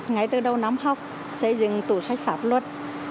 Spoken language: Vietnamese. ngay từ đầu năm học xây dựng tủ sách pháp luật